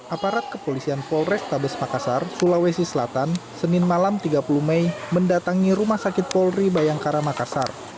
aparat kepolisian polrestabes makassar sulawesi selatan senin malam tiga puluh mei mendatangi rumah sakit polri bayangkara makassar